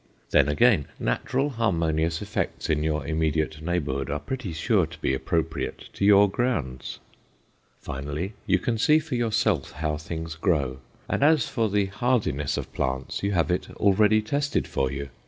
Then again, natural harmonious effects in your immediate neighborhood are pretty sure to be appropriate to your grounds. Finally, you can see for yourself how things grow, and as for the hardiness of plants, you have it already tested for you.